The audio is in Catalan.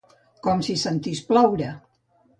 Com si sentís ploure.